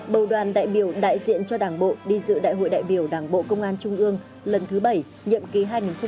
bầu đoàn đại biểu đại diện cho đảng bộ đi dự đại hội đại biểu đảng bộ công an trung ương lần thứ bảy nhiệm ký hai nghìn hai mươi hai nghìn hai mươi năm